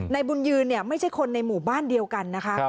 บุญยืนไม่ใช่คนในหมู่บ้านเดียวกันนะคะ